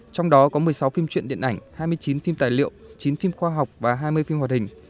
trong đó có một mươi sáu phim truyện điện ảnh hai mươi chín phim tài liệu chín phim khoa học và hai mươi phim hoạt hình